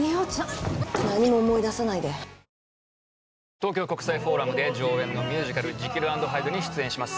東京国際フォーラムで上演のミュージカル「ジキル＆ハイド」に出演します